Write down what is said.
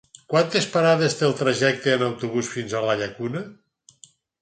Quantes parades té el trajecte en autobús fins a la Llacuna?